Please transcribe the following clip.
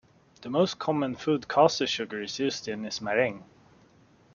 The most common food caster sugar is used in is meringue.